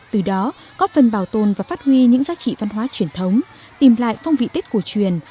từ đó góp phần bảo tồn và phát huy những giá trị văn hóa truyền thống tìm lại phong vị tết cổ truyền